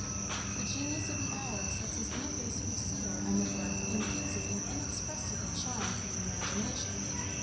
The Genius of the Hour sets his ineffaceable seal on the work and gives it an inexpressible charm for the imagination.